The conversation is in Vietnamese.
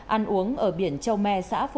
ăn uống ở biển châu me xã phổ châu